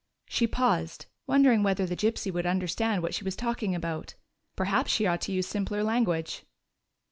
She paused, wondering whether the gypsy would understand what she was talking about. Perhaps she ought to use simpler language.